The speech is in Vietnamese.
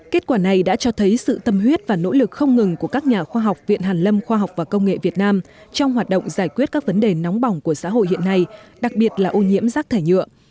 kết quả này đã cho thấy sự tâm huyết và nỗ lực không ngừng của các nhà khoa học viện hàn lâm khoa học và công nghệ việt nam trong hoạt động giải quyết các vấn đề nóng bỏng của xã hội hiện nay đặc biệt là ô nhiễm rác thải nhựa